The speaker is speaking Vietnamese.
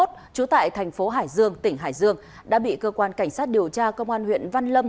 trú tại thành phố hải dương tỉnh hải dương đã bị cơ quan cảnh sát điều tra công an huyện văn lâm